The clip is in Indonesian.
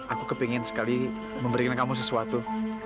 aku kepingin sekali memberikan kamu sesuatu